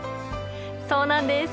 そうなんです。